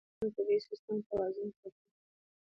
زردالو د افغانستان د طبعي سیسټم توازن ساتي.